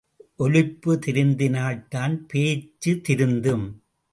ஒலிப்பு திருந்தினால்தான் பேச்சு திருந்தும்.